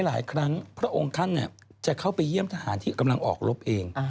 หลายครั้งพระองค์ท่านจะเข้าไปเยี่ยมทหารที่กำลังออกรบเอง